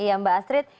iya mbak astrid